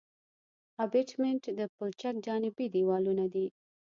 ابټمنټ د پلچک جانبي دیوالونه دي